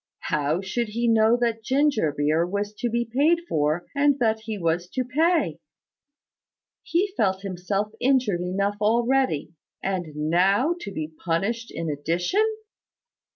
How should he know that the ginger beer was to be paid for, and that he was to pay? He felt himself injured enough already: and now to be punished in addition!